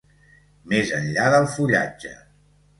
Més enllà del fullatge.